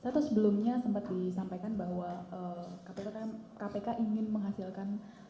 saya tuh sebelumnya sempat disampaikan bahwa kpk ingin menghasilkan